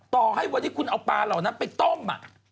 ต่อให้วันนี้คุณเอาปลาเราน่ะไปกินต้ม